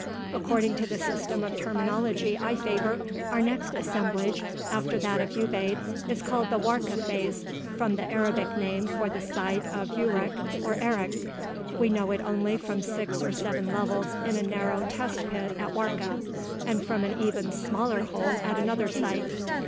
According to the system of terminology I favor, our next "assemblage" after that of Ubaid is called the Warka phase, from the Arabic name for the site of Uruk or Erich. We know it only from six or seven levels in a narrow test pit at Warka, and from an even smaller hole at another site.